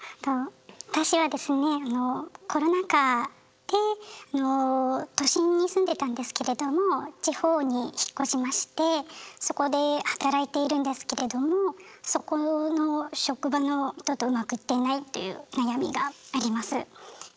私はですねコロナ禍であの都心に住んでたんですけれども地方に引っ越しましてそこで働いているんですけれどもっていう悩みがあります。